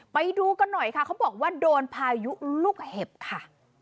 ไปดูกันหน่อยค่ะเขาบอกว่าโดนพายุลูกเห็บค่ะ